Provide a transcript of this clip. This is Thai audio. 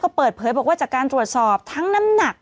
เปิดเผยบอกว่าจากการตรวจสอบทั้งน้ำหนัก